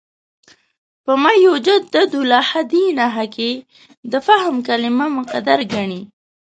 په «مَن یُجَدِّدُ لَهَا دِینَهَا» کې د «فهم» کلمه مقدر ګڼي.